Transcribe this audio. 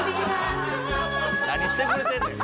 何してくれてんねん。